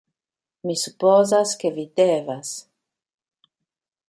Mi supozas, ke vi devas...